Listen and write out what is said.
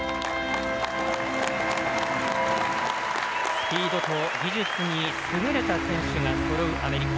スピードと技術に優れた選手がそろうアメリカ。